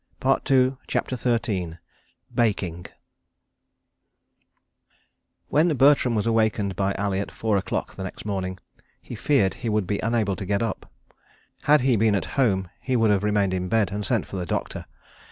.." CHAPTER XIII Baking When Bertram was awakened by Ali at four o'clock the next morning, he feared he would be unable to get up. Had he been at home, he would have remained in bed and sent for the doctor.